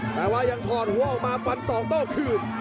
แต่ว่ายังถอดหัวออกมาฟันศอกโต้คืน